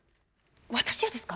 私がですか？